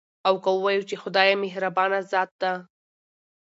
او که ووايو، چې خدايه مهربانه ذاته ده